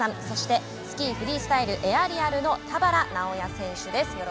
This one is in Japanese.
そして、スキーフリースタイルエアリアルの田原直哉選手です。